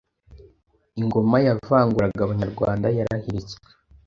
ingoma yavanguraga Abanyarwanda yarahiritswe